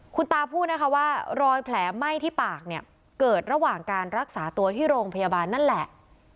คุณตาพูดนะคะว่ารอยแผลไหม้ที่ปากเนี่ยเกิดระหว่างการรักษาตัวที่โรงพยาบาลนั่นแหละ